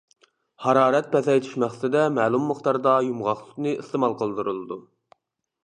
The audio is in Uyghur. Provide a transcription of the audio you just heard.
ھارارەت پەسەيتىش مەقسىتىدە مەلۇم مىقداردا يۇمغاقسۈتنى ئىستېمال قىلدۇرۇلىدۇ.